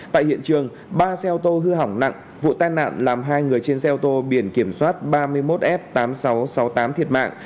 tại hiện trường ba xe ô tô hư hỏng nặng vụ tai nạn làm hai người trên xe ô tô biển kiểm soát ba mươi một f tám nghìn sáu trăm sáu mươi tám thiệt mạng